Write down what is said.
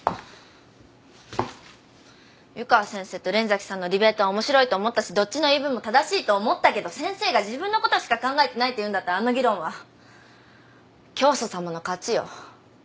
湯川先生と連崎さんのディベートは面白いと思ったしどっちの言い分も正しいと思ったけど先生が自分のことしか考えてないっていうんだったらあの議論は教祖さまの勝ちよ。